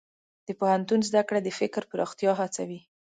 د پوهنتون زده کړه د فکر پراختیا هڅوي.